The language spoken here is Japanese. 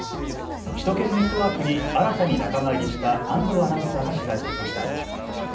首都圏ネットワークに新たに仲間入りした安藤アナウンサーが取材してきました。